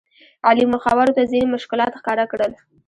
علي مخورو ته ځینې مشکلات ښکاره کړل.